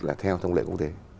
là theo thông lệ quốc tế